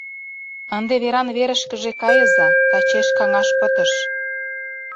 Ынде веран-верышкыже кайыза, тачеш каҥаш пытыш.